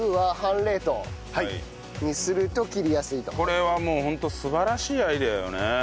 これはもうホント素晴らしいアイデアよね。